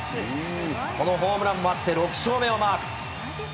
このホームランもあって６勝目をマーク。